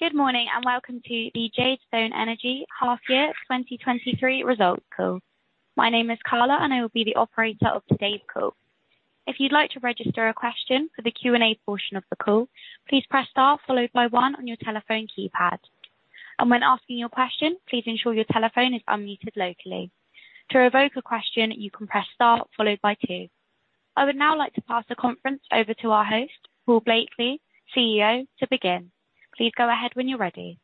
Good morning, and welcome to the Jadestone Energy half-year 2023 results call. My name is Carla, and I will be the operator of today's call. If you'd like to register a question for the Q&A portion of the call, please press star, followed by 1 on your telephone keypad. When asking your question, please ensure your telephone is unmuted locally. To revoke a question, you can press star followed by 2. I would now like to pass the conference over to our host, Paul Blakeley, CEO, to begin. Please go ahead when you're ready.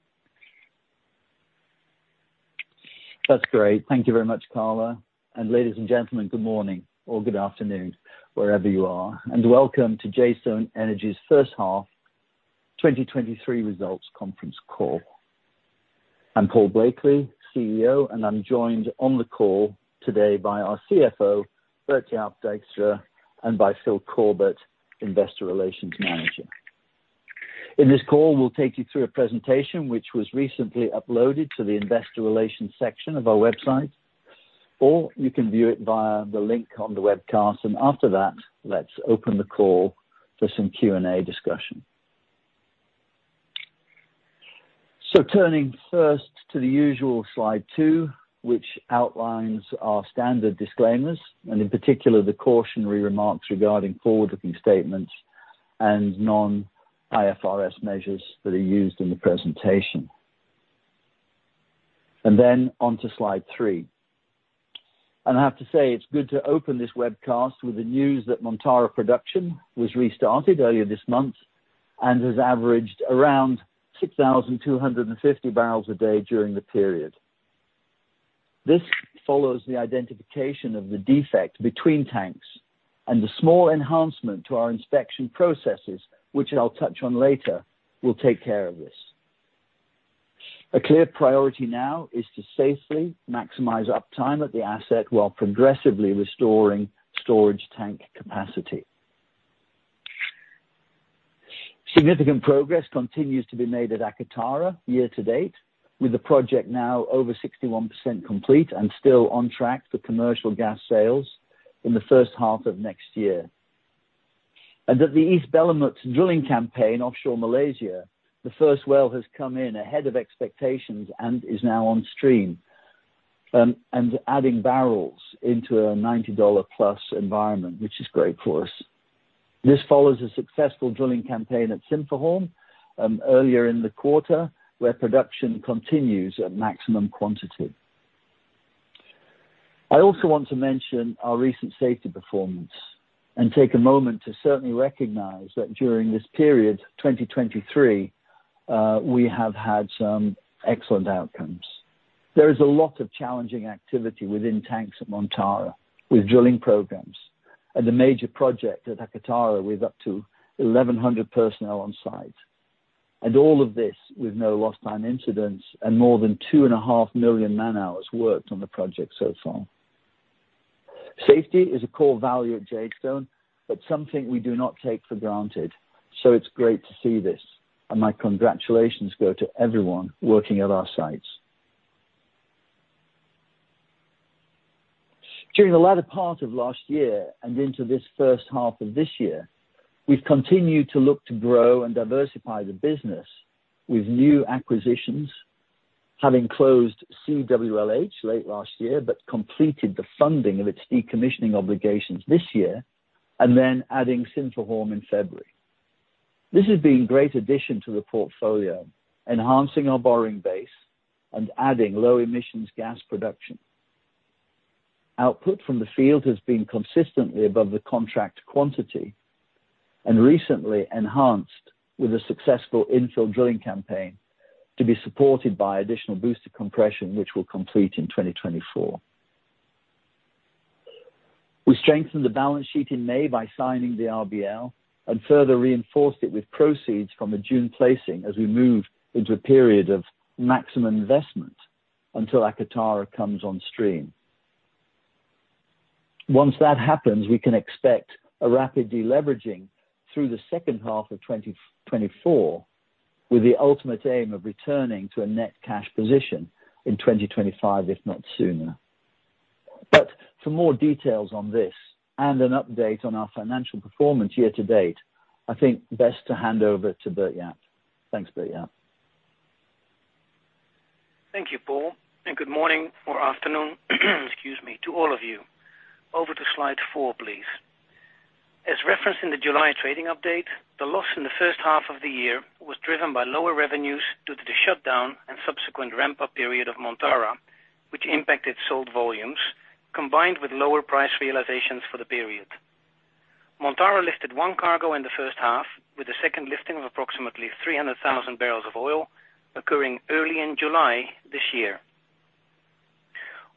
That's great. Thank you very much, Carla. And ladies and gentlemen, good morning or good afternoon, wherever you are, and welcome to Jadestone Energy's first half 2023 results conference call. I'm Paul Blakeley, CEO, and I'm joined on the call today by our CFO, Bert-Jaap Dijkstra, and by Phil Corbett, Investor Relations Manager. In this call, we'll take you through a presentation which was recently uploaded to the investor relations section of our website, or you can view it via the link on the webcast. And after that, let's open the call for some Q&A discussion. So turning first to the usual slide 2, which outlines our standard disclaimers, and in particular, the cautionary remarks regarding forward-looking statements and non-IFRS measures that are used in the presentation. And then on to slide 3. I have to say, it's good to open this webcast with the news that Montara production was restarted earlier this month and has averaged around 6,250 barrels a day during the period. This follows the identification of the defect between tanks and the small enhancement to our inspection processes, which I'll touch on later, will take care of this. A clear priority now is to safely maximize uptime at the asset while progressively restoring storage tank capacity. Significant progress continues to be made at Akatara year to date, with the project now over 61% complete and still on track for commercial gas sales in the first half of next year. At the East Belumut drilling campaign, offshore Malaysia, the first well has come in ahead of expectations and is now on stream, and adding barrels into a $90+ environment, which is great for us. This follows a successful drilling campaign at Sinphuhorm, earlier in the quarter, where production continues at maximum quantity. I also want to mention our recent safety performance and take a moment to certainly recognize that during this period, 2023, we have had some excellent outcomes. There is a lot of challenging activity within tanks at Montara with drilling programs and a major project at Akatara, with up to 1,100 personnel on site, and all of this with no lost time incidents and more than 2.5 million man-hours worked on the project so far. Safety is a core value at Jadestone, but something we do not take for granted. So it's great to see this, and my congratulations go to everyone working at our sites. During the latter part of last year and into this first half of this year, we've continued to look to grow and diversify the business with new acquisitions, having closed CWLH late last year, but completed the funding of its decommissioning obligations this year, and then adding Sinphuhorm in February. This has been a great addition to the portfolio, enhancing our borrowing base and adding low emissions gas production. Output from the field has been consistently above the contract quantity and recently enhanced with a successful infill drilling campaign to be supported by additional booster compression, which will complete in 2024. We strengthened the balance sheet in May by signing the RBL, and further reinforced it with proceeds from a June placing as we move into a period of maximum investment until Akatara comes on stream. Once that happens, we can expect a rapid deleveraging through the second half of 2024, with the ultimate aim of returning to a net cash position in 2025, if not sooner. But for more details on this and an update on our financial performance year to date, I think best to hand over to Bert-Jaap. Thanks, Bert-Jaap. Thank you, Paul, and good morning or afternoon, excuse me, to all of you. Over to slide four, please. As referenced in the July trading update, the loss in the first half of the year was driven by lower revenues due to the shutdown and subsequent ramp-up period of Montara, which impacted sold volumes, combined with lower price realizations for the period. Montara lifted one cargo in the first half, with the second lifting of approximately 300,000 barrels of oil occurring early in July this year.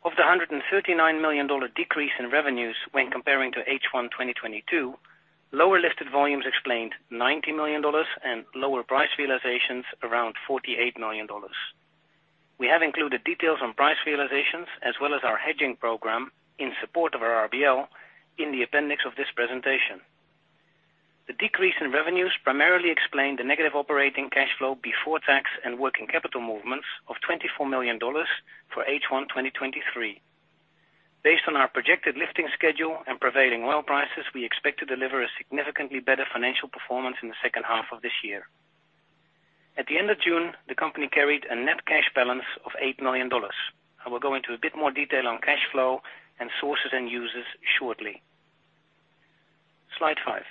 Of the $139 million decrease in revenues when comparing to H1-2022, lower lifted volumes explained $90 million and lower price realizations around $48 million. We have included details on price realizations as well as our hedging program in support of our RBL in the appendix of this presentation. The decrease in revenues primarily explained the negative operating cash flow before tax and working capital movements of $24 million for H1 2023. Based on our projected lifting schedule and prevailing oil prices, we expect to deliver a significantly better financial performance in the second half of this year. At the end of June, the company carried a net cash balance of $8 million. I will go into a bit more detail on cash flow and sources and uses shortly. Slide 5.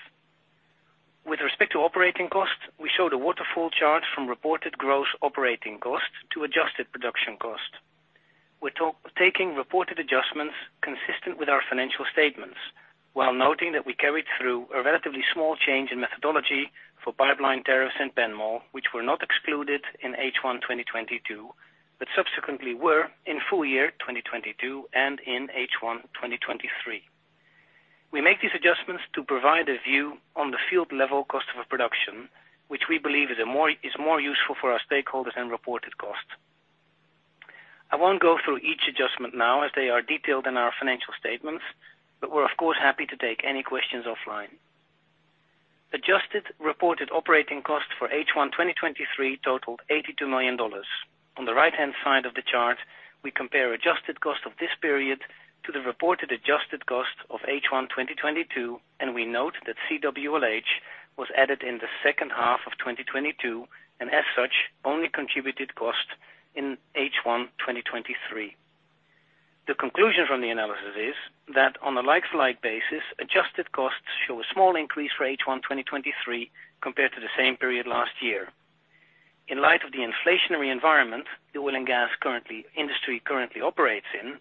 With respect to operating costs, we show the waterfall chart from reported gross operating costs to adjusted production costs. We're taking reported adjustments consistent with our financial statements, while noting that we carried through a relatively small change in methodology for pipeline tariffs in Peninsular Malaysia, which were not excluded in H1 2022, but subsequently were in full year 2022 and in H1 2023. We make these adjustments to provide a view on the field level cost of production, which we believe is a more, is more useful for our stakeholders than reported costs. I won't go through each adjustment now, as they are detailed in our financial statements, but we're, of course, happy to take any questions offline. Adjusted reported operating costs for H1 2023 totaled $82 million. On the right-hand side of the chart, we compare adjusted cost of this period to the reported adjusted cost of H1 2022, and we note that CWLH was added in the second half of 2022, and as such, only contributed cost in H1 2023. The conclusion from the analysis is that on a like slide basis, adjusted costs show a small increase for H1 2023 compared to the same period last year. In light of the inflationary environment, the oil and gas industry currently operates in,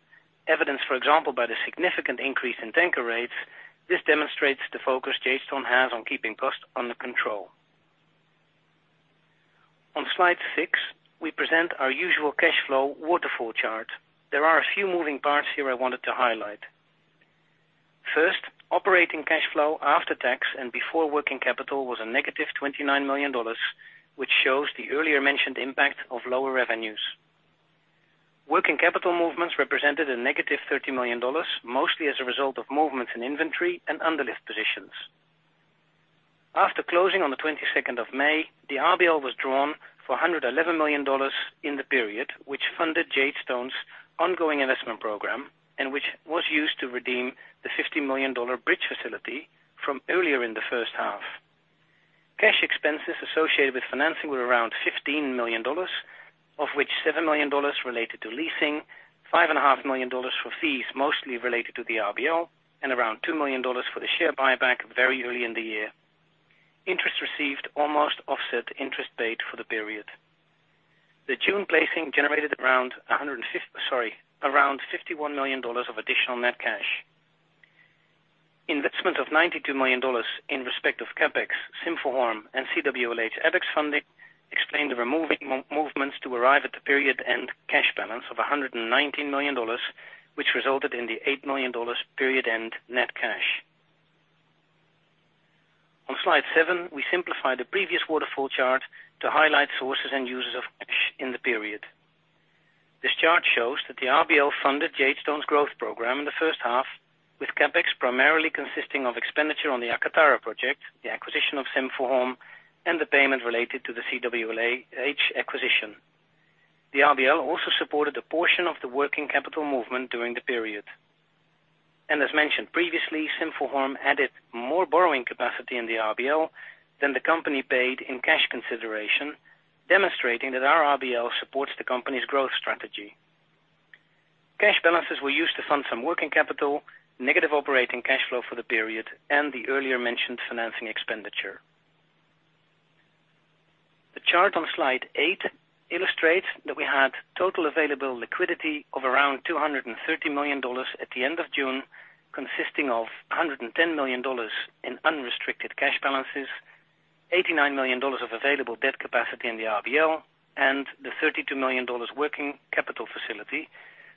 evidenced, for example, by the significant increase in tanker rates, this demonstrates the focus Jadestone has on keeping costs under control. On slide 6, we present our usual cash flow waterfall chart. There are a few moving parts here I wanted to highlight. First, operating cash flow after tax and before working capital was a negative $29 million, which shows the earlier mentioned impact of lower revenues. Working capital movements represented a negative $30 million, mostly as a result of movements in inventory and underlift positions. After closing on the twenty-second of May, the RBL was drawn for $111 million in the period, which funded Jadestone's ongoing investment program and which was used to redeem the $50 million bridge facility from earlier in the first half. Cash expenses associated with financing were around $15 million, of which $7 million related to leasing, $5.5 million for fees, mostly related to the RBL, and around $2 million for the share buyback very early in the year. Interest received almost offset interest paid for the period. The June placing generated around $150, sorry, around $51 million of additional net cash. Investment of $92 million in respect of CapEx, Sinphuhorm, and CWLH Abex funding explain the removing movements to arrive at the period end cash balance of $119 million, which resulted in the $8 million period end net cash. On slide seven, we simplify the previous waterfall chart to highlight sources and uses of cash in the period. This chart shows that the RBL funded Jadestone's growth program in the first half, with CapEx primarily consisting of expenditure on the Akatara project, the acquisition of Sinphuhorm, and the payment related to the CWLH acquisition. The RBL also supported a portion of the working capital movement during the period. As mentioned previously, Sinphuhorm added more borrowing capacity in the RBL than the company paid in cash consideration, demonstrating that our RBL supports the company's growth strategy. Cash balances were used to fund some working capital, negative operating cash flow for the period, and the earlier mentioned financing expenditure. The chart on slide 8 illustrates that we had total available liquidity of around $230 million at the end of June, consisting of $110 million in unrestricted cash balances, $89 million of available debt capacity in the RBL, and the $32 million working capital facility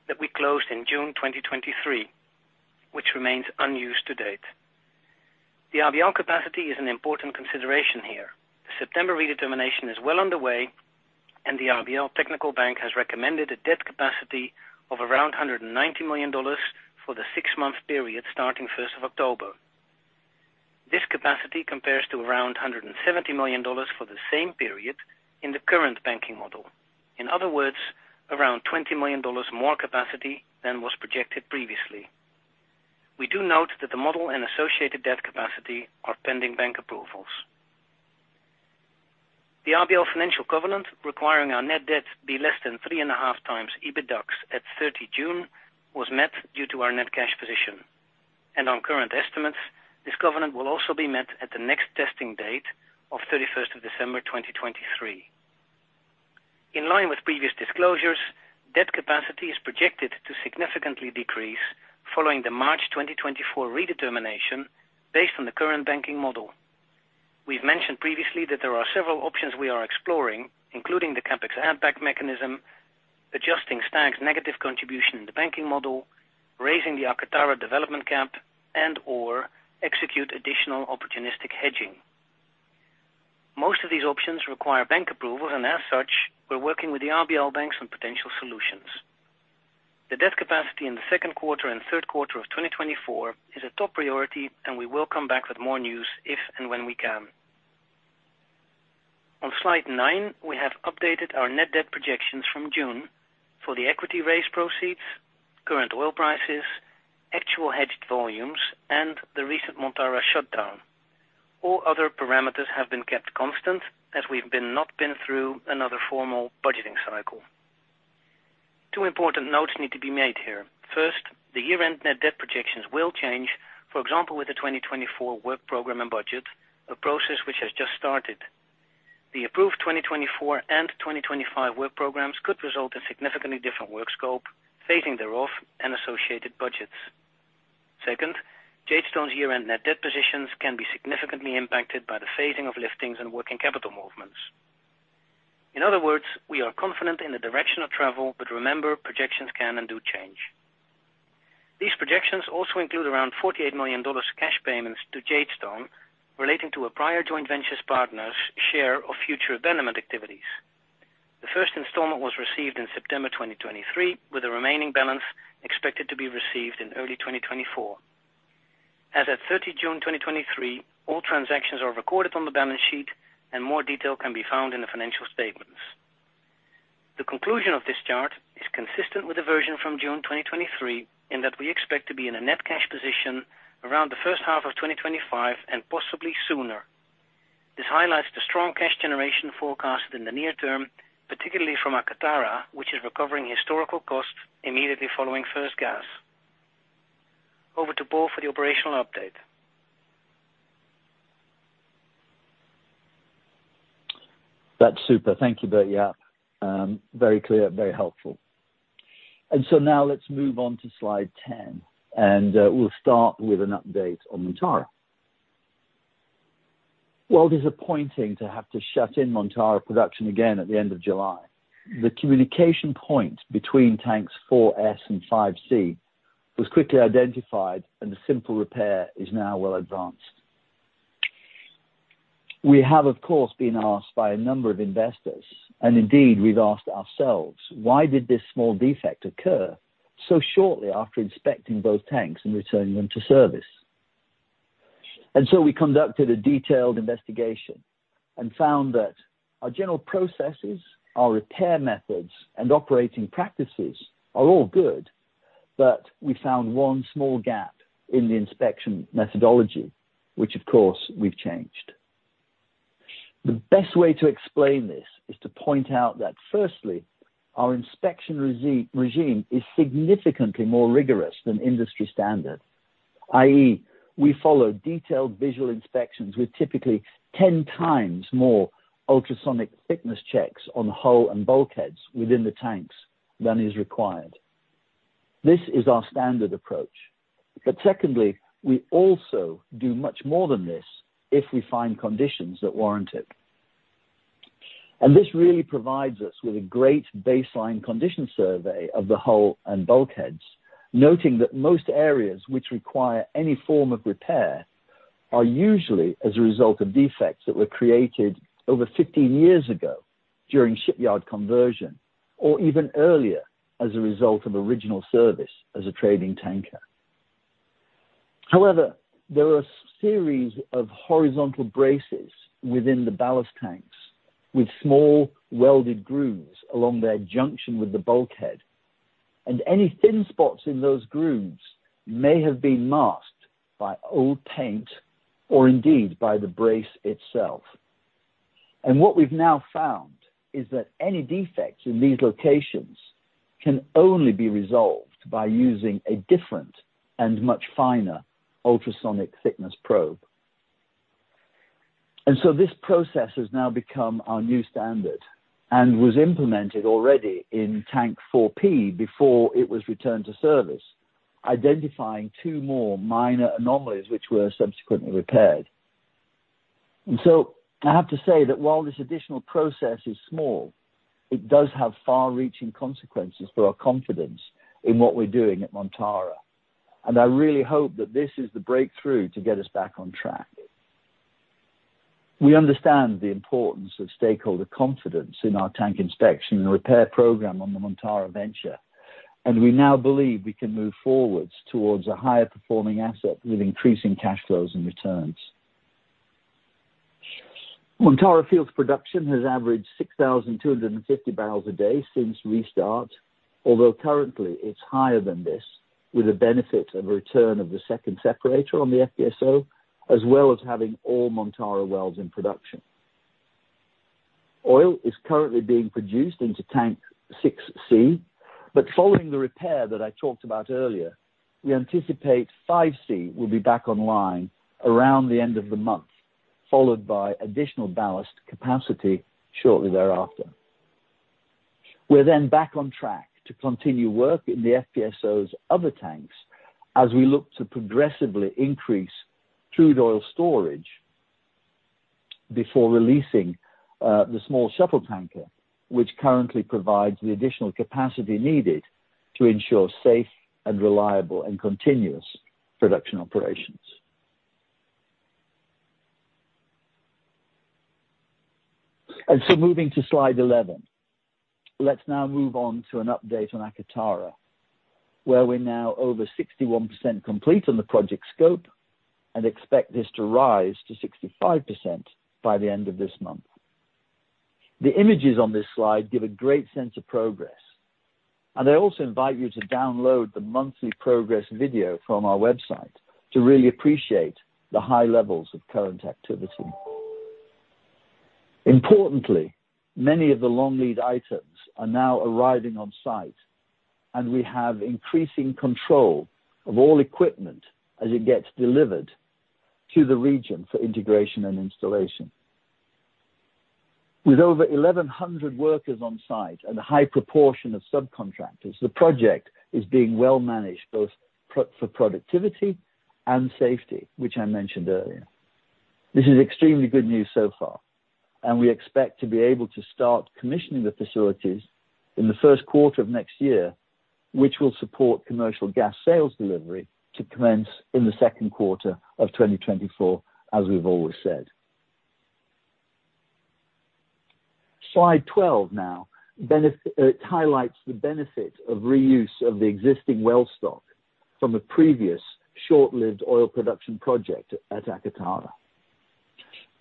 that we closed in June 2023, which remains unused to date. The RBL capacity is an important consideration here. The September redetermination is well underway, and the RBL technical bank has recommended a debt capacity of around $190 million for the six-month period starting first of October. This capacity compares to around $170 million for the same period in the current banking model. In other words, around $20 million more capacity than was projected previously. We do note that the model and associated debt capacity are pending bank approvals. The RBL financial covenant, requiring our net debt be less than 3.5 times EBITDAX at 30 June, was met due to our net cash position. On current estimates, this covenant will also be met at the next testing date of 31 December 2023. In line with previous disclosures, debt capacity is projected to significantly decrease following the March 2024 redetermination based on the current banking model. We've mentioned previously that there are several options we are exploring, including the CapEx add-back mechanism, adjusting Stag's negative contribution in the banking model, raising the Akatara development cap, and/or execute additional opportunistic hedging. Most of these options require bank approvals, and as such, we're working with the RBL banks on potential solutions. The debt capacity in the second quarter and third quarter of 2024 is a top priority, and we will come back with more news if and when we can. On slide 9, we have updated our net debt projections from June for the equity raise proceeds, current oil prices, actual hedged volumes, and the recent Montara shutdown. All other parameters have been kept constant, as we have not been through another formal budgeting cycle. Two important notes need to be made here. First, the year-end net debt projections will change, for example, with the 2024 work program and budget, a process which has just started. The approved 2024 and 2025 work programs could result in significantly different work scope, phasing thereof, and associated budgets. Second, Jadestone's year-end net debt positions can be significantly impacted by the phasing of liftings and working capital movements. In other words, we are confident in the direction of travel, but remember, projections can and do change. These projections also include around $48 million cash payments to Jadestone, relating to a prior joint ventures partner's share of future development activities. The first installment was received in September 2023, with the remaining balance expected to be received in early 2024. As at 30 June 2023, all transactions are recorded on the balance sheet, and more detail can be found in the financial statements. The conclusion of this chart is consistent with the version from June 2023, in that we expect to be in a net cash position around the first half of 2025, and possibly sooner. This highlights the strong cash generation forecasted in the near term, particularly from Akatara, which is recovering historical costs immediately following first gas. Over to Paul for the operational update. That's super. Thank you, Bert-Jaap. Very clear, very helpful. So now let's move on to slide 10, and we'll start with an update on Montara. While disappointing to have to shut in Montara production again at the end of July, the communication point between tanks 4S and 5C was quickly identified, and the simple repair is now well advanced. We have, of course, been asked by a number of investors, and indeed, we've asked ourselves, "Why did this small defect occur so shortly after inspecting both tanks and returning them to service?" So we conducted a detailed investigation and found that our general processes, our repair methods, and operating practices are all good. But we found one small gap in the inspection methodology, which, of course, we've changed. The best way to explain this is to point out that firstly, our inspection regime is significantly more rigorous than industry standard, i.e., we follow detailed visual inspections with typically 10 times more ultrasonic thickness checks on the hull and bulkheads within the tanks than is required. This is our standard approach. But secondly, we also do much more than this if we find conditions that warrant it. And this really provides us with a great baseline condition survey of the hull and bulkheads, noting that most areas which require any form of repair are usually as a result of defects that were created over 15 years ago during shipyard conversion, or even earlier, as a result of original service as a trading tanker. However, there are a series of horizontal braces within the ballast tanks, with small welded grooves along their junction with the bulkhead, and any thin spots in those grooves may have been masked by old paint, or indeed, by the brace itself. And what we've now found is that any defects in these locations can only be resolved by using a different and much finer ultrasonic thickness probe. And so this process has now become our new standard and was implemented already in tank 4P, before it was returned to service, identifying two more minor anomalies, which were subsequently repaired. And so, I have to say that while this additional process is small, it does have far-reaching consequences for our confidence in what we're doing at Montara. And I really hope that this is the breakthrough to get us back on track. We understand the importance of stakeholder confidence in our tank inspection and repair program on the Montara venture, and we now believe we can move forwards towards a higher performing asset with increasing cash flows and returns. Montara Field's production has averaged 6,250 barrels a day since restart, although currently, it's higher than this, with the benefit of return of the second separator on the FPSO, as well as having all Montara wells in production. Oil is currently being produced into tank 6C, but following the repair that I talked about earlier, we anticipate 5C will be back online around the end of the month, followed by additional ballast capacity shortly thereafter. We're then back on track to continue work in the FPSO's other tanks as we look to progressively increase crude oil storage, before releasing the small shuttle tanker, which currently provides the additional capacity needed to ensure safe and reliable and continuous production operations. And so moving to slide 11. Let's now move on to an update on Akatara, where we're now over 61% complete on the project scope and expect this to rise to 65% by the end of this month. The images on this slide give a great sense of progress, and I also invite you to download the monthly progress video from our website to really appreciate the high levels of current activity. Importantly, many of the long lead items are now arriving on site, and we have increasing control of all equipment as it gets delivered to the region for integration and installation. With over 1,100 workers on site and a high proportion of subcontractors, the project is being well managed, both for productivity and safety, which I mentioned earlier. This is extremely good news so far, and we expect to be able to start commissioning the facilities in the first quarter of next year, which will support commercial gas sales delivery to commence in the second quarter of 2024, as we've always said. Slide 12 now, highlights the benefit of reuse of the existing well stock from a previous short-lived oil production project at Akatara.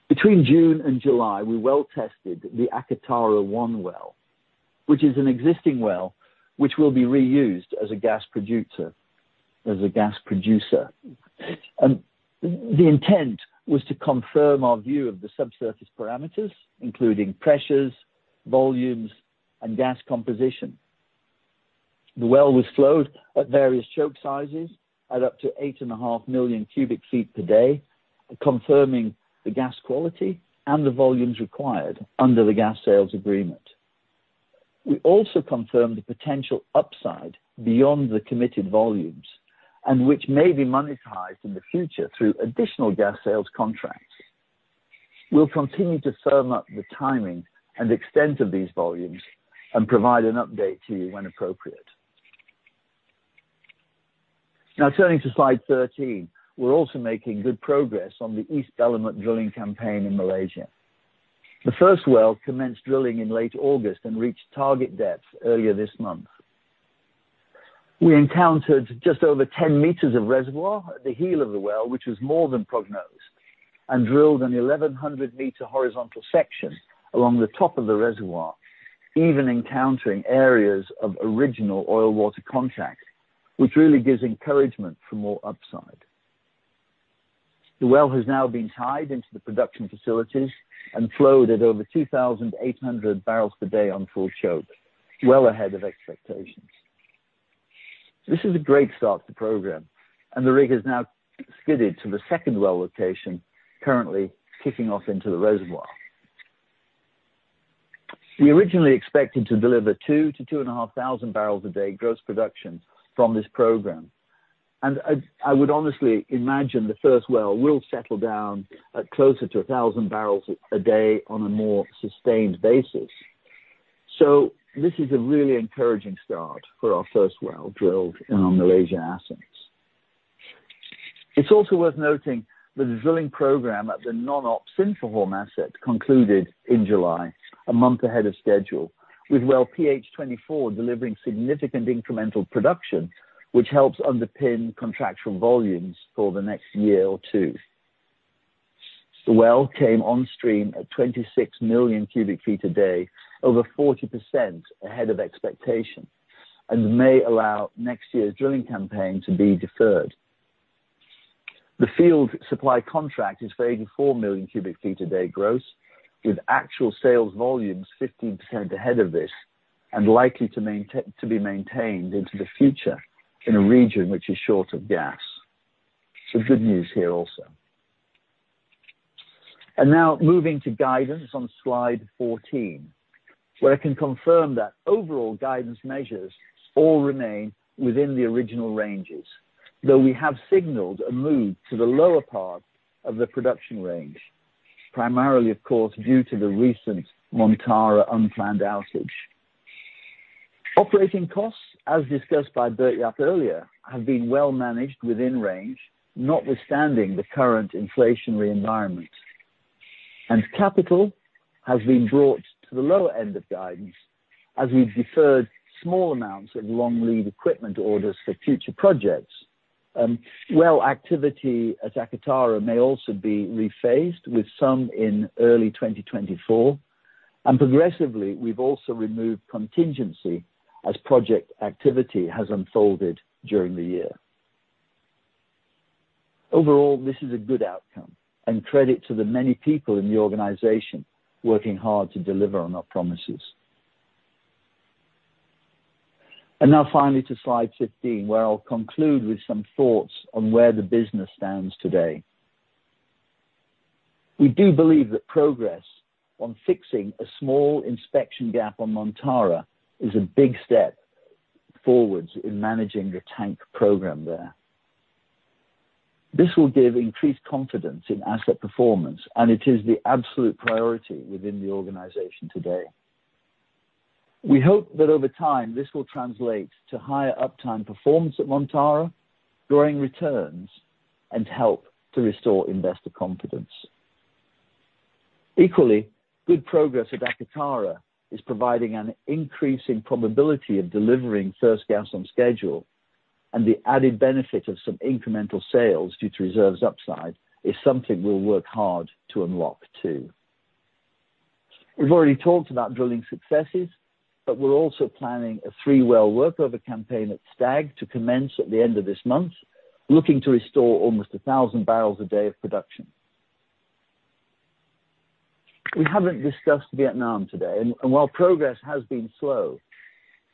Between June and July, we well tested the Akatara-1 well, which is an existing well, which will be reused as a gas producer, as a gas producer. The intent was to confirm our view of the subsurface parameters, including pressures, volumes, and gas composition. The well was flowed at various choke sizes at up to 8.5 million cubic feet per day, confirming the gas quality and the volumes required under the gas sales agreement. We also confirmed the potential upside beyond the committed volumes, and which may be monetized in the future through additional gas sales contracts. We'll continue to firm up the timing and extent of these volumes and provide an update to you when appropriate. Now, turning to slide 13. We're also making good progress on the East Belumut drilling campaign in Malaysia. The first well commenced drilling in late August and reached target depths earlier this month. We encountered just over 10 meters of reservoir at the heel of the well, which is more than prognosed, and drilled an 1,100 meter horizontal section along the top of the reservoir, even encountering areas of original oil water contact, which really gives encouragement for more upside. The well has now been tied into the production facilities and flowed at over 2,800 barrels per day on full choke, well ahead of expectations. This is a great start to program, and the rig has now skidded to the second well location, currently kicking off into the reservoir. We originally expected to deliver 2,000 to 2,500 barrels a day gross production from this program, and I would honestly imagine the first well will settle down at closer to 1,000 barrels a day on a more sustained basis. So this is a really encouraging start for our first well drilled in our Malaysia assets. It's also worth noting that the drilling program at the non-op Sinphuhorm asset concluded in July, a month ahead of schedule, with Well PH-24 delivering significant incremental production, which helps underpin contractual volumes for the next year or two. The well came on stream at 26 million cubic feet a day, over 40% ahead of expectation, and may allow next year's drilling campaign to be deferred. The field supply contract is for 84 million cubic feet a day gross, with actual sales volumes 15% ahead of this, and likely to be maintained into the future in a region which is short of gas. So good news here also. Now moving to guidance on Slide 14, where I can confirm that overall guidance measures all remain within the original ranges, though we have signaled a move to the lower part of the production range, primarily, of course, due to the recent Montara unplanned outage. Operating costs, as discussed by Bert-Jaap earlier, have been well managed within range, notwithstanding the current inflationary environment. Capital has been brought to the lower end of guidance as we've deferred small amounts of long lead equipment orders for future projects. Well, activity at Akatara may also be rephased, with some in early 2024, and progressively, we've also removed contingency as project activity has unfolded during the year. Overall, this is a good outcome and credit to the many people in the organization working hard to deliver on our promises. Now finally, to Slide 15, where I'll conclude with some thoughts on where the business stands today. We do believe that progress on fixing a small inspection gap on Montara is a big step forward in managing the tank program there. This will give increased confidence in asset performance, and it is the absolute priority within the organization today. We hope that over time, this will translate to higher uptime performance at Montara, growing returns, and help to restore investor confidence. Equally, good progress at Akatara is providing an increasing probability of delivering first gas on schedule, and the added benefit of some incremental sales due to reserves upside is something we'll work hard to unlock, too. We've already talked about drilling successes, but we're also planning a three-well workover campaign at Stag to commence at the end of this month, looking to restore almost 1,000 barrels a day of production. We haven't discussed Vietnam today, and while progress has been slow,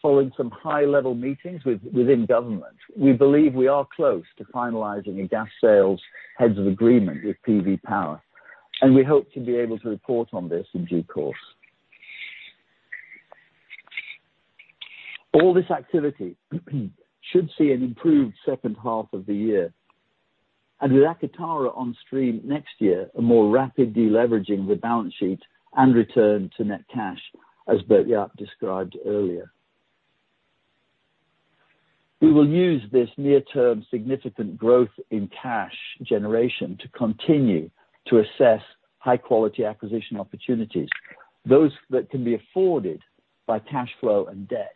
following some high-level meetings within government, we believe we are close to finalizing a gas sales heads of agreement with PV Power, and we hope to be able to report on this in due course. All this activity should see an improved second half of the year. And with Akatara on stream next year, a more rapid deleveraging the balance sheet and return to net cash, as Bert-Jaap described earlier. We will use this near-term significant growth in cash generation to continue to assess high-quality acquisition opportunities, those that can be afforded by cash flow and debt,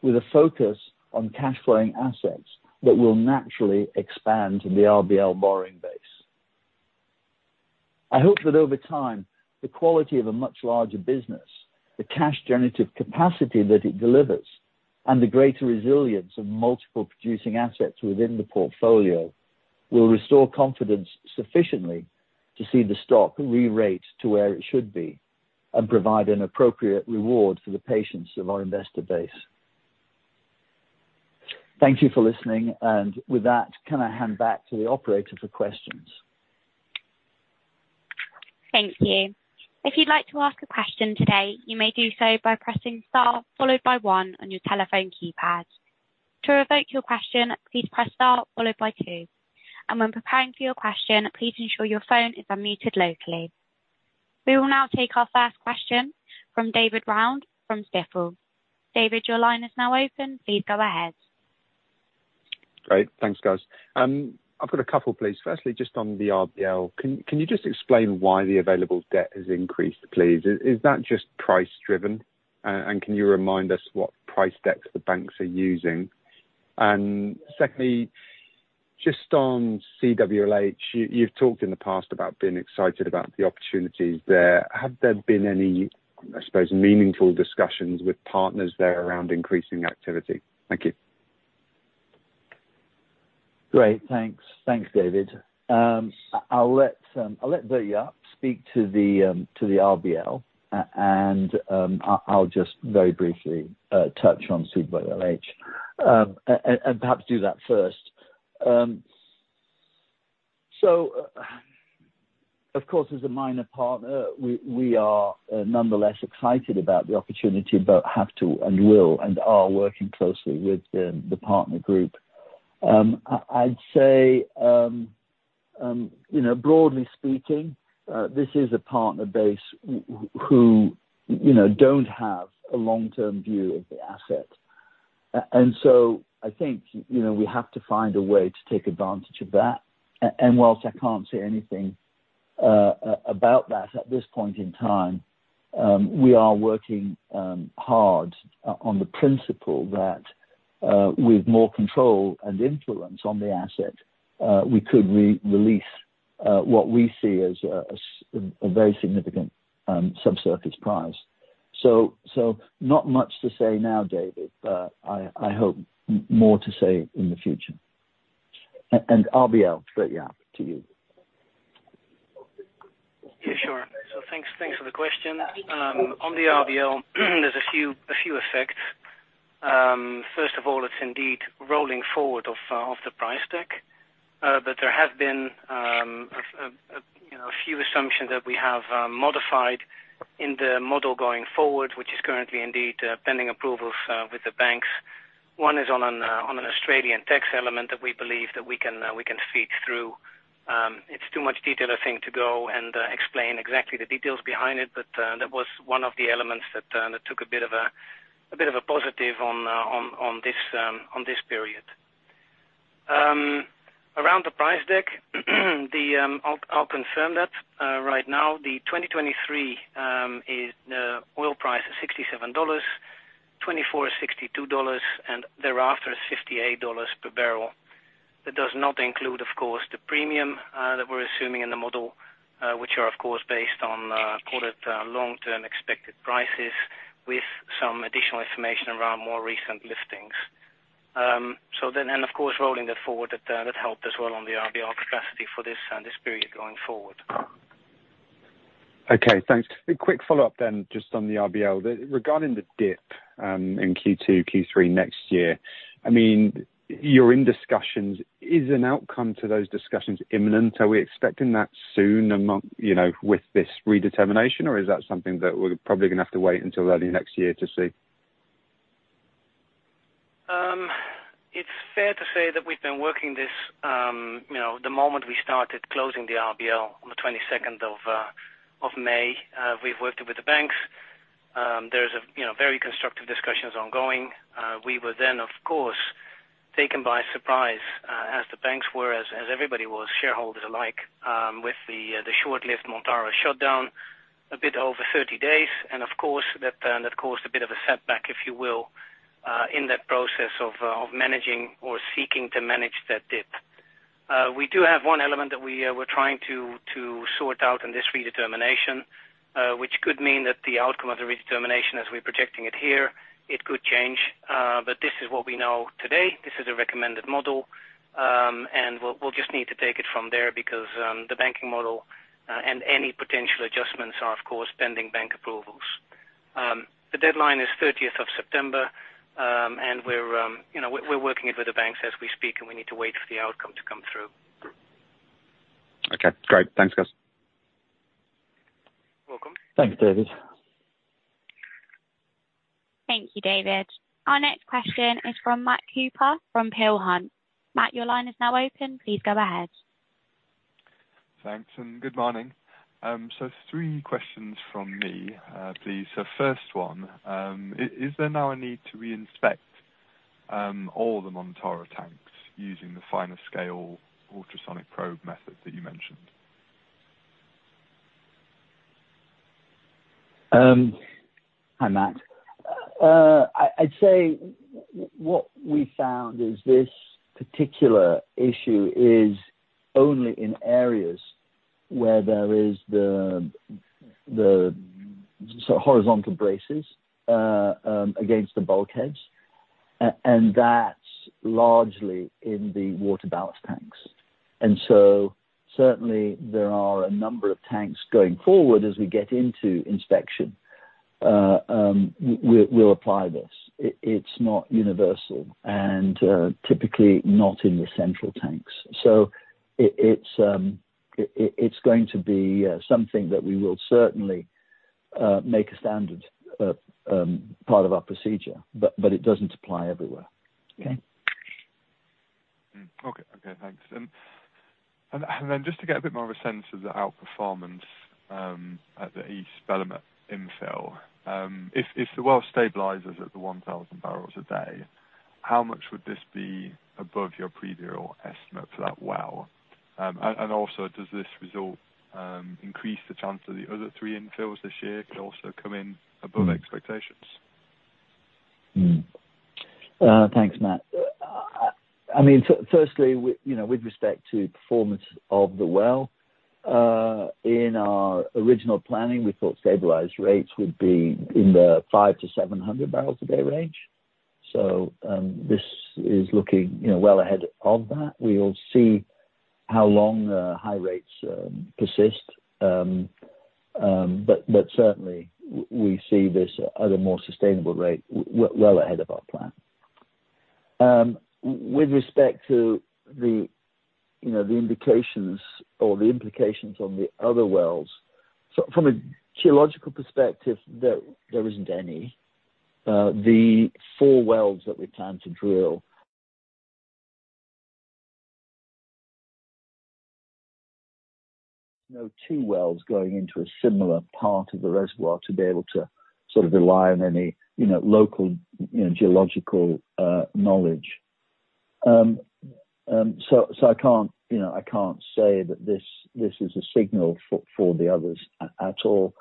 with a focus on cash-flowing assets that will naturally expand the RBL borrowing base. I hope that over time, the quality of a much larger business, the cash generative capacity that it delivers, and the greater resilience of multiple producing assets within the portfolio, will restore confidence sufficiently to see the stock re-rate to where it should be and provide an appropriate reward for the patience of our investor base. Thank you for listening, and with that, can I hand back to the operator for questions? Thank you. If you'd like to ask a question today, you may do so by pressing star, followed by one on your telephone keypad. To revoke your question, please press star followed by two. When preparing for your question, please ensure your phone is unmuted locally. We will now take our first question from David Round, from Stifel. David, your line is now open. Please go ahead. Great. Thanks, guys. I've got a couple, please. Firstly, just on the RBL, can you just explain why the available debt has increased, please? Is that just price driven? And can you remind us what price decks the banks are using? And secondly, just on CWLH, you've talked in the past about being excited about the opportunities there. Have there been any, I suppose, meaningful discussions with partners there around increasing activity? Thank you. Great. Thanks. Thanks, David. I'll let Bert-Jaap speak to the RBL. And I'll just very briefly touch on CWLH and perhaps do that first. So, of course, as a minor partner, we are nonetheless excited about the opportunity, but have to, and will, and are working closely with the partner group. I'd say, you know, broadly speaking, this is a partner base who, you know, don't have a long-term view of the asset. And so I think, you know, we have to find a way to take advantage of that. Whilst I can't say anything about that at this point in time, we are working hard on the principle that, with more control and influence on the asset, we could re-release what we see as a very significant sub-surface prize. Not much to say now, David, but I hope more to say in the future. RBL, Bert-Jaap, to you. Yeah, sure. Thanks, thanks for the question. On the RBL, there's a few, a few effects. First of all, it's indeed rolling forward of the price deck. There have been, you know, a few assumptions that we have modified in the model going forward, which is currently indeed pending approvals with the banks. One is on an Australian tax element that we believe that we can feed through. It's too much detail, I think, to go and explain exactly the details behind it, but that was one of the elements that took a bit of a positive on this period. Around the price deck, I'll confirm that. Right now, the 2023 is the oil price is $67, 2024 is $62, and thereafter, $58 per barrel. That does not include, of course, the premium that we're assuming in the model, which are, of course, based on call it long-term expected prices, with some additional information around more recent listings. So then, and of course, rolling that forward, that that helped as well on the RBL capacity for this this period going forward. Okay, thanks. A quick follow-up then, just on the RBL. Regarding the dip in Q2, Q3 next year, I mean, you're in discussions. Is an outcome to those discussions imminent? Are we expecting that soon among, you know, with this redetermination, or is that something that we're probably gonna have to wait until early next year to see? It's fair to say that we've been working this, you know, the moment we started closing the RBL on the 22nd of May. We've worked it with the banks. There's a, you know, very constructive discussions ongoing. We were then, of course, taken by surprise, as the banks were, as everybody was, shareholders alike, with the short-lived Montara shutdown, a bit over 30 days. And of course, that caused a bit of a setback, if you will, in that process of managing or seeking to manage that dip. We do have one element that we're trying to sort out in this redetermination, which could mean that the outcome of the redetermination as we're projecting it here, it could change. But this is what we know today. This is a recommended model, and we'll, we'll just need to take it from there because, the banking model, and any potential adjustments are, of course, pending bank approvals. The deadline is thirtieth of September, and we're, you know, we're working it with the banks as we speak, and we need to wait for the outcome to come through. Okay, great. Thanks, guys. Welcome. Thanks, David. Thank you, David. Our next question is from Matt Cooper, from Peel Hunt. Matt, your line is now open. Please go ahead. Thanks, and good morning. So three questions from me, please. So first one, is there now a need to reinspect all the Montara tanks using the finer scale ultrasonic probe method that you mentioned? Hi, Matt. I'd say what we found is this particular issue is only in areas where there is the sort of horizontal braces against the bulkheads. And that's largely in the water ballast tanks. And so certainly there are a number of tanks going forward as we get into inspection, we'll apply this. It's not universal and typically not in the central tanks. So it's going to be something that we will certainly make a standard part of our procedure, but it doesn't apply everywhere. Okay? Okay. Okay, thanks. Then, just to get a bit more of a sense of the outperformance at the East Belumut infill, if the well stabilizes at 1,000 barrels a day, how much would this be above your previous estimate for that well? Also, does this result increase the chance that the other three infills this year could also come in above expectations? Thanks, Matt. I mean, firstly, with, you know, with respect to performance of the well, in our original planning, we thought stabilized rates would be in the 500-700 barrels a day range. So, this is looking, you know, well ahead of that. We'll see how long the high rates persist. But certainly we see this at a more sustainable rate, well ahead of our plan. With respect to the, you know, the indications or the implications on the other wells, so from a geological perspective, there isn't any. The four wells that we plan to drill... No, two wells going into a similar part of the reservoir to be able to sort of rely on any, you know, local, you know, geological knowledge. I can't, you know, I can't say that this is a signal for the others at all.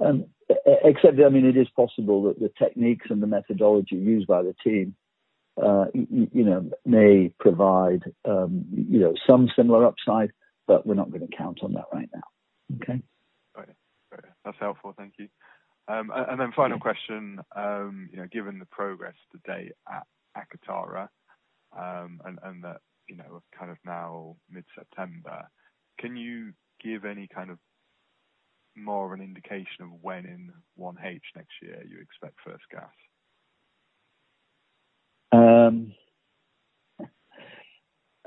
Except, I mean, it is possible that the techniques and the methodology used by the team, you know, may provide, you know, some similar upside, but we're not gonna count on that right now. Okay? Got it. Got it. That's helpful. Thank you. And then final question, you know, given the progress today at Akatara, and that, you know, we're kind of now mid-September, can you give any kind of more of an indication of when in 1H next year you expect first gas?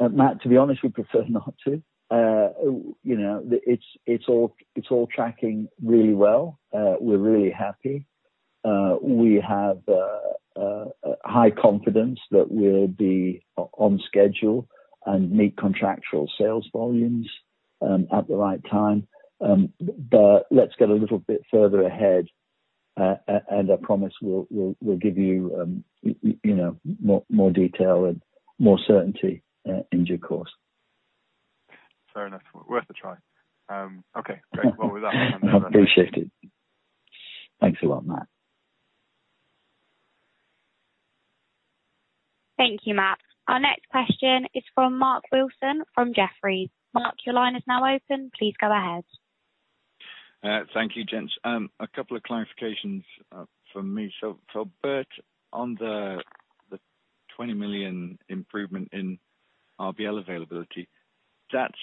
Matt, to be honest, we prefer not to. You know, it's all tracking really well. We're really happy. We have a high confidence that we'll be on schedule and meet contractual sales volumes at the right time. But let's get a little bit further ahead, and I promise we'll give you, you know, more detail and more certainty in due course. Fair enough. Worth a try. Okay, great. Well, with that- I appreciate it. Thanks a lot, Matt. Thank you, Matt. Our next question is from Mark Wilson, from Jefferies. Mark, your line is now open. Please go ahead. Thank you, gents. A couple of clarifications from me. So, Bert, on the $20 million improvement in RBL availability, that's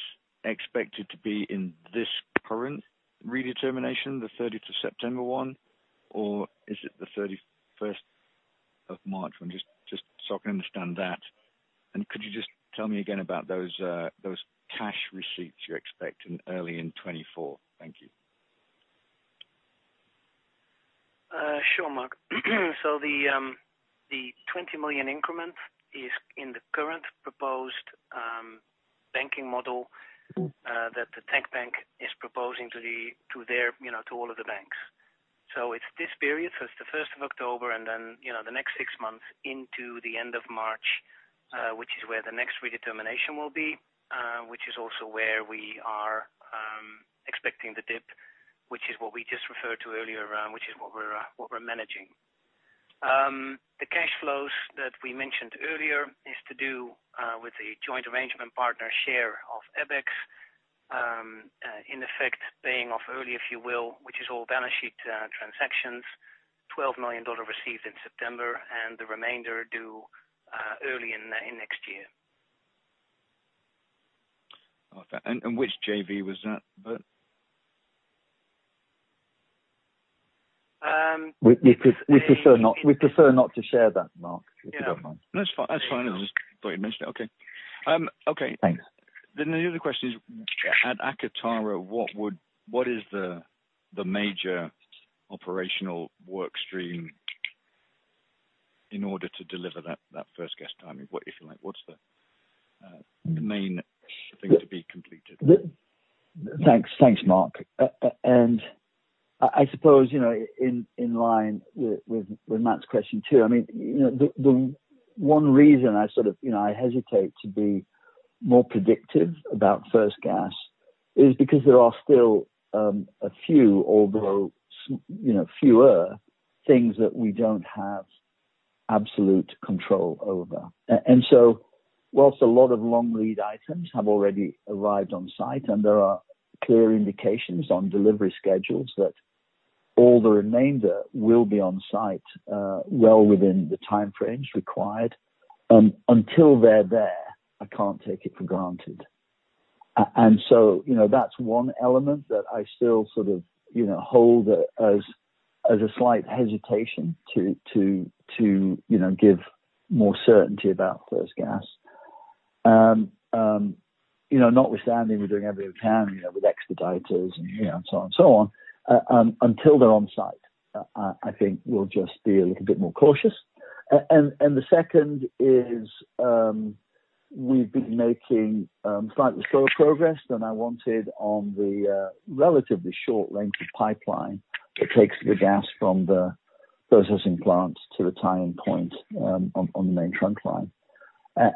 expected to be in this current redetermination, the thirtieth of September one, or is it the thirty-first of March? I'm just so I can understand that. And could you just tell me again about those cash receipts you're expecting early in 2024? Thank you. Sure, Mark. The $20 million increment is in the current proposed model that the tank bank is proposing to their, you know, to all of the banks. It's this period, so it's the first of October, and then the next six months into the end of March, which is where the next redetermination will be, which is also where we are expecting the dip, which is what we just referred to earlier, which is what we're managing. The cash flows that we mentioned earlier is to do with the joint arrangement partner share of EBITDAX, in effect, paying off early, if you will, which is all balance sheet transactions, $12 million received in September, and the remainder due early in next year. Okay. And which JV was that, Bert? Um. We prefer not to share that, Mark, if you don't mind. Yeah. No, that's fine. That's fine. I just thought you'd mention it. Okay. Okay. Thanks. Then the other question is, at Akatara, what is the major operational work stream in order to deliver that first gas timing? What, if you like, what's the main thing to be completed? Thanks. Thanks, Mark. And I suppose, you know, in line with Matt's question, too, I mean, you know, the one reason I sort of, you know, I hesitate to be more predictive about first gas is because there are still a few, although you know, fewer things that we don't have absolute control over. And so while a lot of long lead items have already arrived on site, and there are clear indications on delivery schedules that all the remainder will be on site well within the timeframe required. Until they're there, I can't take it for granted. And so, you know, that's one element that I still sort of, you know, hold as a slight hesitation to give more certainty about first gas. You know, notwithstanding, we're doing everything we can, you know, with expediters and, you know, and so on and so on. Until they're on site, I think we'll just be a little bit more cautious. And the second is, we've been making slightly slower progress than I wanted on the relatively short length of pipeline that takes the gas from the processing plant to the tie-in point, on the main trunk line.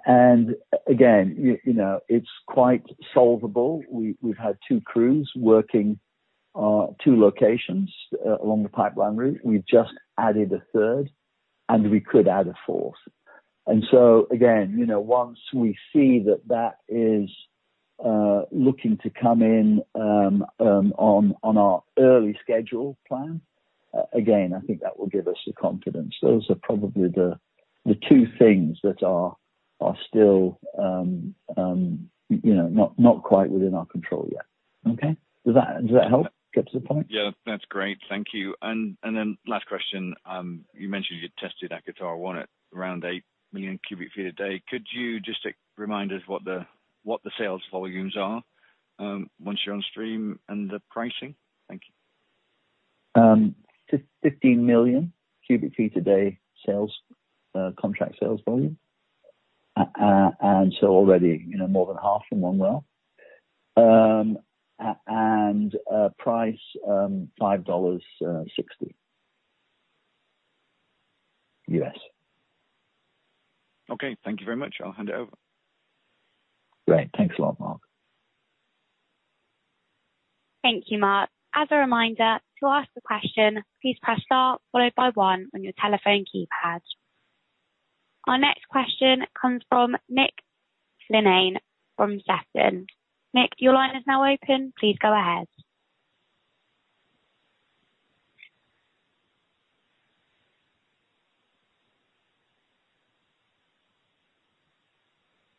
And again, you know, it's quite solvable. We've had two crews working two locations along the pipeline route. We've just added a third, and we could add a fourth. And so again, you know, once we see that that is looking to come in, on our early schedule plan, again, I think that will give us the confidence. Those are probably the two things that are still, you know, not quite within our control yet. Okay. Does that help get to the point? Yeah, that's great. Thank you. And, and then last question. You mentioned you testedAkatara-1 at around 8 million cubic feet a day. Could you just remind us what the, what the sales volumes are, once you're on stream, and the pricing? Thank you. Fifteen million cubic feet a day sales, contract sales volume. And so already, you know, more than half in one well. And, price, $5.60. Okay, thank you very much. I'll hand it over. Great. Thanks a lot, Mark. Thank you, Mark. As a reminder, to ask a question, please press star followed by one on your telephone keypad. Our next question comes from Nick Linnane, from Sefton. Nick, your line is now open. Please go ahead.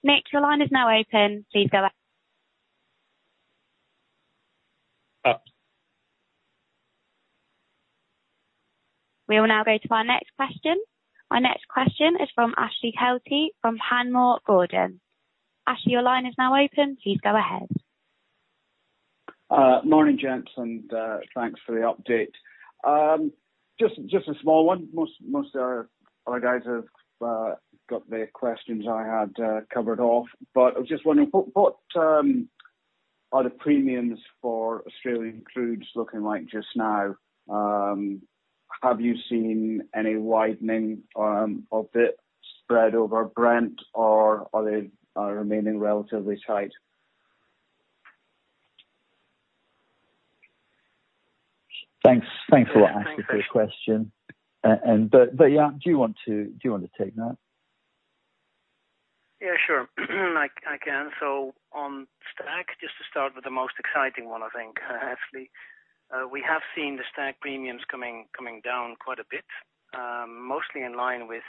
Nick, your line is now open. Please go ahead. Uh. We will now go to our next question. Our next question is from Ashley Kelty from Panmure Gordon. Ashley, your line is now open. Please go ahead. Morning, gents, and thanks for the update. Just, just a small one. Most, most of our, our guys have got their questions I had covered off, but I was just wondering, what, what, are the premiums for Australian crudes looking like just now? Have you seen any widening of the spread over Brent, or are they remaining relatively tight? Thanks. Thanks a lot, Ashley, for the question. Thanks, Ashley. Yeah, do you want to, do you want to take that? Yeah, sure. I can. So on Stag, just to start with the most exciting one, I think, Ashley. We have seen the Stag premiums coming down quite a bit, mostly in line with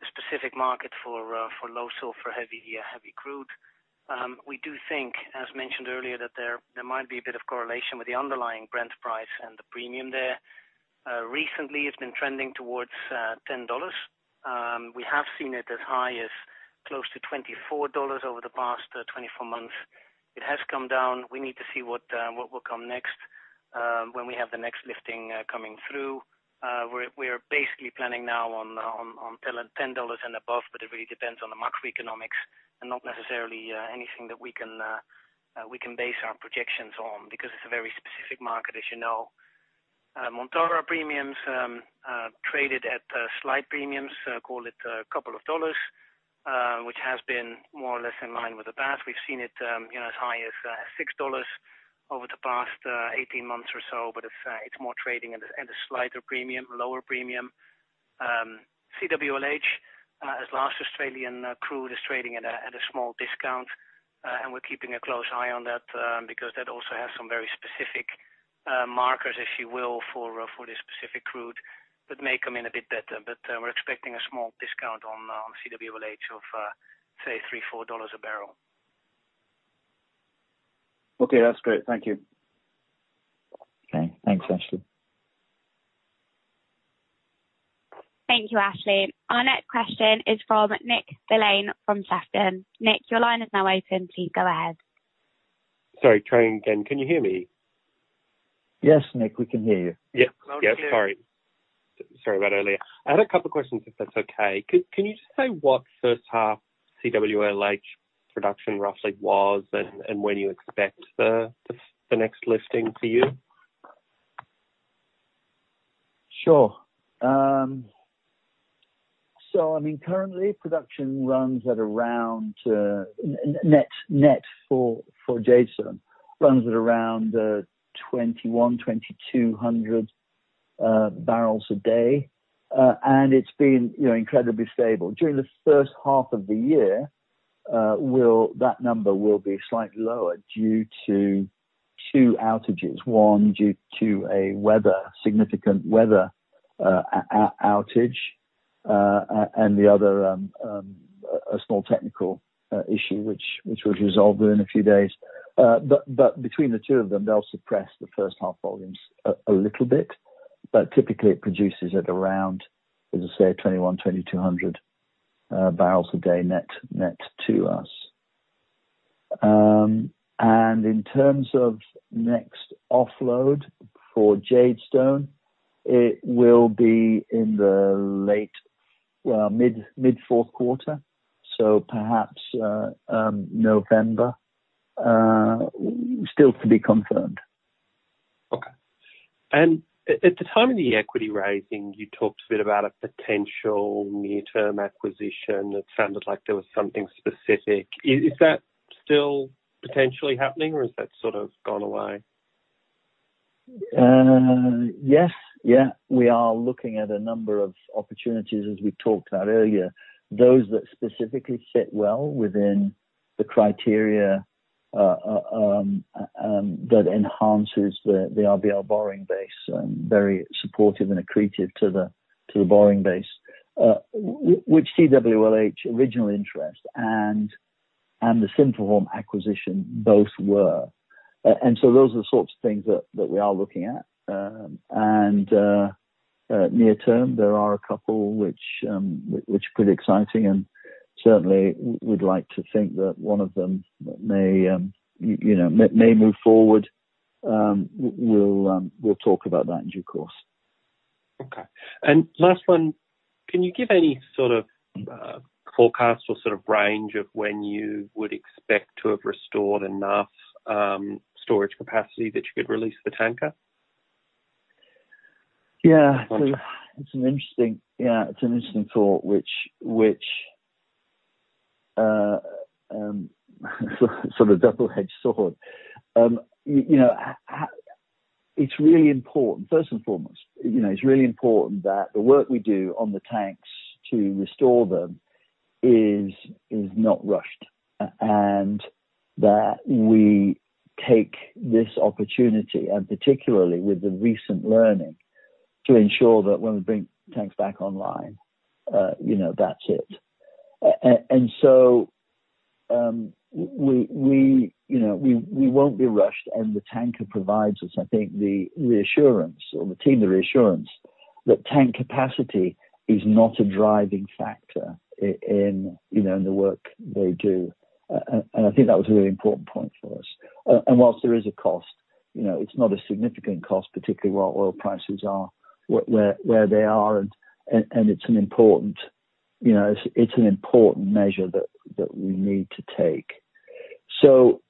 the specific market for low sulfur, heavy crude. We do think, as mentioned earlier, that there might be a bit of correlation with the underlying Brent price and the premium there. Recently, it's been trending towards $10. We have seen it as high as close to $24 over the past 24 months. It has come down. We need to see what will come next. When we have the next lifting coming through, we're basically planning now on $10 and above, but it really depends on the macroeconomics and not necessarily anything that we can base our projections on, because it's a very specific market, as you know. Montara premiums traded at slight premiums, call it a couple of dollars, which has been more or less in line with the past. We've seen it, you know, as high as $6 over the past 18 months or so, but it's more trading at a slighter premium, lower premium. CWLH, as last Australian crude, is trading at a small discount, and we're keeping a close eye on that, because that also has some very specific markers, if you will, for this specific crude, that may come in a bit better. But, we're expecting a small discount on CWLH of, say, $3-$4 a barrel. Okay, that's great. Thank you. Okay. Thanks, Ashley. Thank you, Ashley. Our next question is from Nick Linnane from Sefton. Nick, your line is now open. Please go ahead. Sorry, trying again. Can you hear me? Yes, Nick, we can hear you. Yeah. Loud and clear. Yep. Sorry. Sorry about earlier. I had a couple questions, if that's okay. Can you just say what first half CWLH production roughly was, and when you expect the next lifting for you? Sure. So I mean, currently production runs at around net for Jadestone, runs at around 2,100-2,200 barrels a day. And it's been, you know, incredibly stable. During the first half of the year, that number will be slightly lower due to two outages. One, due to significant weather outage, and the other a small technical issue which was resolved within a few days. But between the two of them, they'll suppress the first half volumes a little bit, but typically it produces at around, as I say, 2,100-2,200 barrels a day, net to us. And in terms of next offload for Jadestone, it will be in the mid-fourth quarter, so perhaps November, still to be confirmed. Okay. And at the time of the equity raising, you talked a bit about a potential near-term acquisition. It sounded like there was something specific. Is that still potentially happening, or has that sort of gone away? Yes. Yeah, we are looking at a number of opportunities, as we talked about earlier. Those that specifically fit well within the criteria that enhances the RBL borrowing base, very supportive and accretive to the borrowing base, which CWLH original interest and the Sinphuhorm acquisition both were. And so those are the sorts of things that we are looking at. And near term, there are a couple which are pretty exciting, and certainly we'd like to think that one of them may, you know, may move forward. We'll talk about that in due course. Okay. And last one, can you give any sort of forecast or sort of range of when you would expect to have restored enough storage capacity that you could release the tanker? Yeah. It's an interesting... Yeah, it's an interesting thought, which sort of double-edged sword. You know, it's really important, first and foremost, you know, it's really important that the work we do on the tanks to restore them is not rushed, and that we take this opportunity, and particularly with the recent learning, to ensure that when we bring tanks back online, you know, that's it. And so, we, you know, we won't be rushed, and the tanker provides us, I think, the reassurance or the team, the reassurance, that tank capacity is not a driving factor in, you know, in the work they do. And I think that was a really important point for us. And while there is a cost, you know, it's not a significant cost, particularly where oil prices are, where they are, and it's an important, you know, it's an important measure that we need to take. So,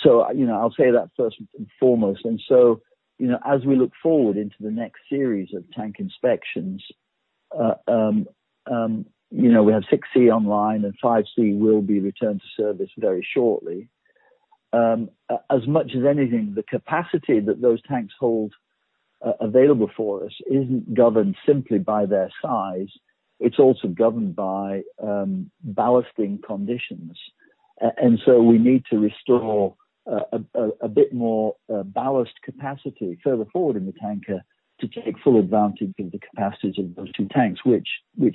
you know, I'll say that first and foremost. And so, you know, as we look forward into the next series of tank inspections, you know, we have 6C online, and 5C will be returned to service very shortly. As much as anything, the capacity that those tanks hold, available for us isn't governed simply by their size, it's also governed by ballasting conditions. We need to restore a bit more ballast capacity further forward in the tanker to take full advantage of the capacities of those two tanks, which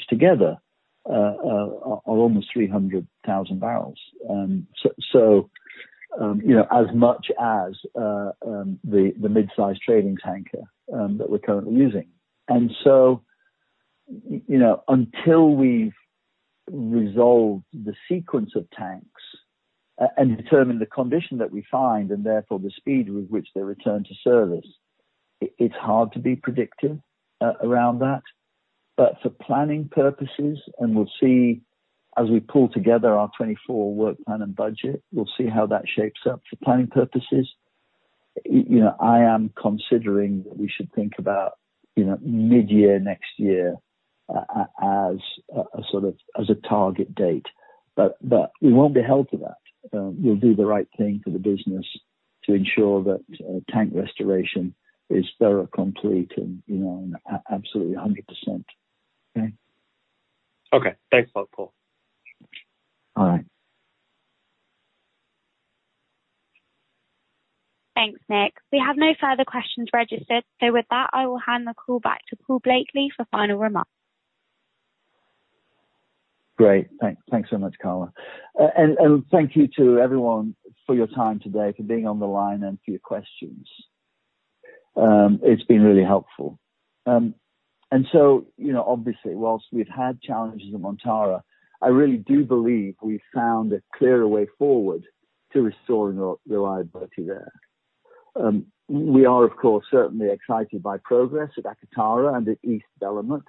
together are almost 300,000 barrels. You know, as much as the mid-size trading tanker that we're currently using, you know, until we've resolved the sequence of tanks and determined the condition that we find, and therefore the speed with which they return to service, it's hard to be predictive around that. For planning purposes, and we'll see as we pull together our 2024 work plan and budget, we'll see how that shapes up for planning purposes. You know, I am considering that we should think about, you know, mid-year next year, as a sort of, as a target date. But we won't be held to that. We'll do the right thing for the business to ensure that, tank restoration is thorough, complete, and, you know, and absolutely 100%. Okay? Okay. Thanks a lot, Paul. All right. Thanks, Nick. We have no further questions registered, so with that, I will hand the call back to Paul Blakeley for final remarks. Great. Thanks so much, Carla. And thank you to everyone for your time today, for being on the line, and for your questions. It's been really helpful. And so, you know, obviously, while we've had challenges at Montara, I really do believe we've found a clearer way forward to restoring reliability there. We are, of course, certainly excited by progress at Akatara and the East development,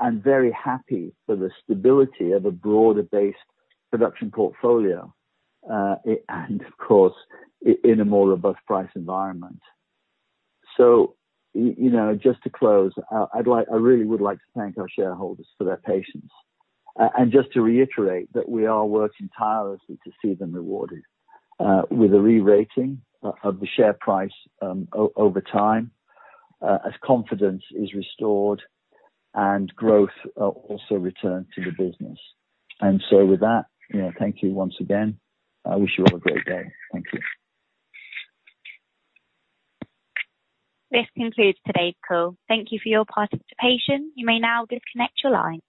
and very happy for the stability of a broader-based production portfolio. And of course, in a more robust price environment. So you know, just to close, I'd like, I really would like to thank our shareholders for their patience. And just to reiterate that we are working tirelessly to see them rewarded with a re-rating of the share price over time as confidence is restored and growth also returned to the business. And so with that, you know, thank you once again. I wish you all a great day. Thank you. This concludes today's call. Thank you for your participation. You may now disconnect your line.